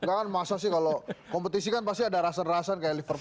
enggak kan masa sih kalau kompetisi kan pasti ada rasen rasen kayak liverpool arsenal